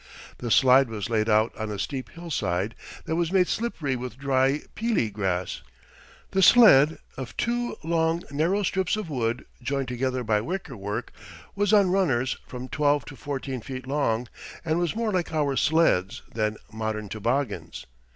The slide was laid out on a steep hillside, that was made slippery with dry pili grass. The sled, of two long, narrow strips of wood joined together by wicker work, was on runners from twelve to fourteen feet long, and was more like our sleds than modern toboggans.